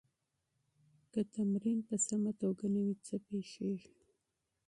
که تمرین منظم نه وي، څه پېښېږي؟